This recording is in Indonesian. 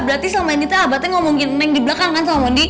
berarti selama ini abah ngomongin neng di belakang kan sama mondi